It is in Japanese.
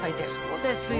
そうですよ。